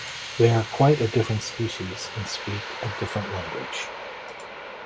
They are quite a different species, and speak a different language.